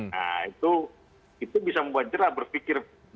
nah itu bisa membuat jerah berpikir